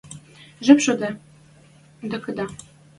Жеп шоде, тӓ докыда